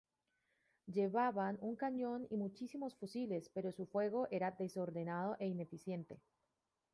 Llevaban un cañón y muchísimos fusiles, pero su fuego era desordenado e ineficiente.